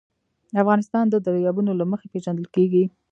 افغانستان د دریابونه له مخې پېژندل کېږي.